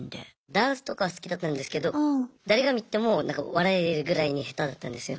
ダンスとかは好きだったんですけど誰が見ても笑えるぐらいに下手だったんですよ。